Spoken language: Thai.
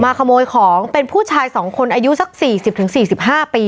ขโมยของเป็นผู้ชาย๒คนอายุสัก๔๐๔๕ปี